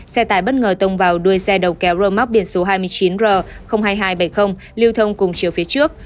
xe tải bất ngờ tông vào đuôi xe đầu kéo rơ móc biển số hai mươi chín r hai nghìn hai trăm bảy mươi lưu thông cùng chiều phía trước